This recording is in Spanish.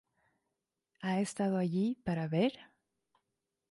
Ha estado allí para ver?